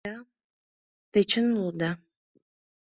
— Да, те чын улыда!